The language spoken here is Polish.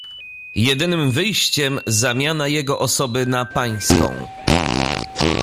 "Jedynym wyjściem zamiana jego osoby na pańską."